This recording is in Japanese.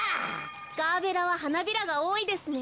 ガーベラははなびらがおおいですね。